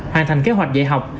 hoàn thành kế hoạch dạy học